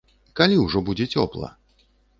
Калі ўжо будзе цёпла?